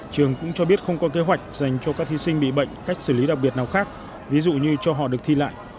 trường cũng cho biết không có kế hoạch dành cho các thí sinh bị bệnh cách xử lý đặc biệt nào khác ví dụ như cho họ được thi lại